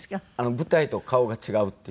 舞台と顔が違うっていう。